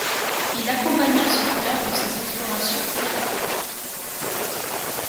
Il accompagna son frère dans ses explorations outre-Atlantique.